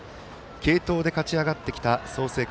継投で勝ち上がってきた創成館。